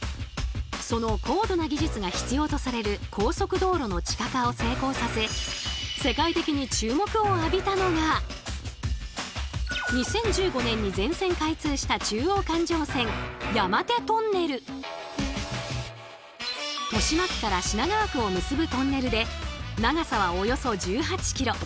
その高度な技術が必要とされる高速道路の地下化を成功させ世界的に注目を浴びたのが豊島区から品川区を結ぶトンネルで長さはおよそ１８ｋｍ。